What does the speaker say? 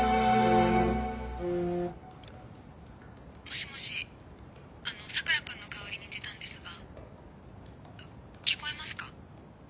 もしもしあの佐倉君の代わりに出たんですが聞こえますか？